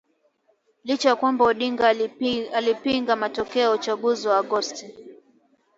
licha ya kwamba Odinga alipinga matokeo ya uchaguzi wa Agosti